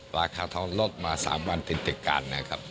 ราคาทองลดมา๓วันติดกันนะครับ